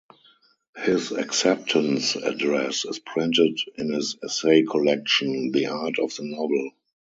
His acceptance address is printed in his essay collection The Art of the Novel.